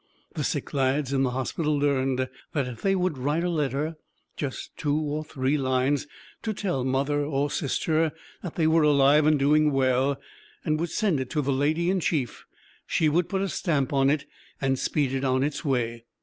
The sick lads in the hospital learned that if they would write a letter just two or three lines, to tell mother or sister that they were alive and doing well and would send it to the Lady in Chief, she would put a stamp on it and speed it on its way.